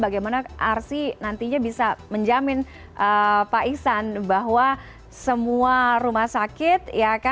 bagaimana arsi nantinya bisa menjamin pak iksan bahwa semua rumah sakit